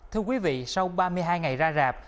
thưa quý vị sau ba mươi hai ngày ra rạp